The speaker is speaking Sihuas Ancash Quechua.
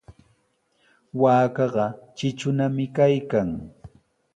Waakaqa tritrunami kaykan.